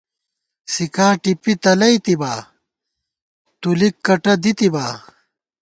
سِکا ٹپی تلَئیتِبا ، تُلِک کٹہ دِتِبا